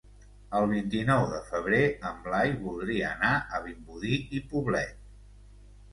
El vint-i-nou de febrer en Blai voldria anar a Vimbodí i Poblet.